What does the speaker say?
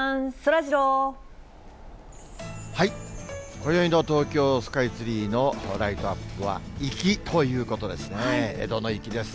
今宵の東京スカイツリーのライトアップは粋ということですね、江戸の粋です。